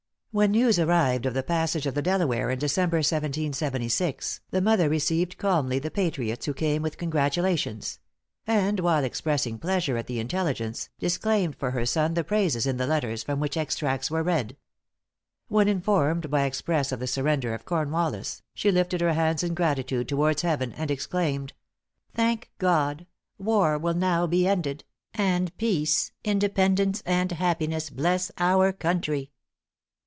When news arrived of the passage of the Delaware in December, 1776, the mother received calmly the patriots who came with congratulations; and while expressing pleasure at the intelligence, disclaimed for her son the praises in the letters from which extracts were read. When informed by express of the surrender of Cornwallis, she lifted her hands in gratitude towards heaven, and exclaimed, "Thank God! war will now be ended, and peace, independence and happiness bless our country!"